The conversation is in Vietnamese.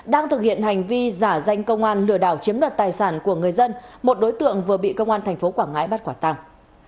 đang thực hiện hành vi giả danh công an lừa đảo chiếm đoạt tài sản của người dân một đối tượng vừa bị công an tp quảng ngãi bắt quả tàng